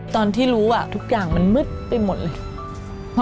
ตอนที่รู้ทุกอย่างมันมืดไปหมดเลย